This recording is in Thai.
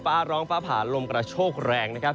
ฟ้าร้องฟ้าผ่าลมกระโชกแรงนะครับ